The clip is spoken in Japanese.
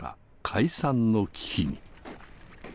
解散の危機に。